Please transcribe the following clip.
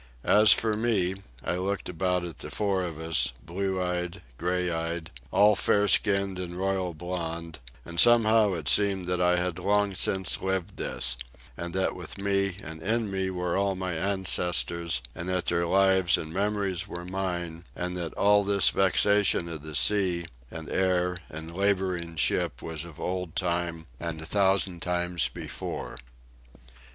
As for me, I looked about at the four of us—blue eyed, gray eyed, all fair skinned and royal blond—and somehow it seemed that I had long since lived this, and that with me and in me were all my ancestors, and that their lives and memories were mine, and that all this vexation of the sea and air and labouring ship was of old time and a thousand times before.